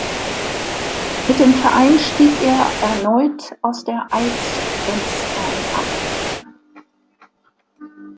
Mit dem Verein stieg er erneut aus der Allsvenskan ab.